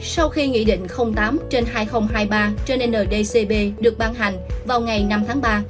sau khi nghị định tám trên hai nghìn hai mươi ba trên ndcp được ban hành vào ngày năm tháng ba